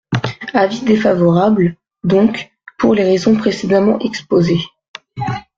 Avis défavorable, donc, pour les raisons précédemment exposées.